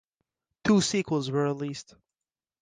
Two sequels were released.